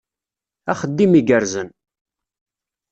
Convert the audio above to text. Axeddim igerrzen!